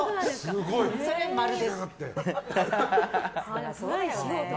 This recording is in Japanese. それは○です。